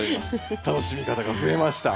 楽しみ方が増えました。